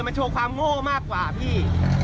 มันโชว์ความโง่มากกว่าพี่